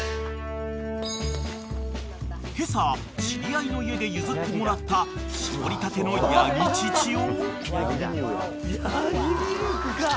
［今朝知り合いの家で譲ってもらった搾りたてのヤギ乳を］